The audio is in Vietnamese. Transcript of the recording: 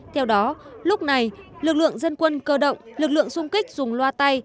theo đó lúc này lực lượng dân quân cơ động lực lượng xung kích dùng loa tay